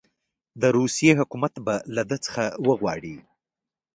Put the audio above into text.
د روسیې حکومت به له ده څخه وغواړي.